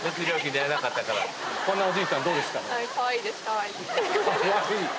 かわいい。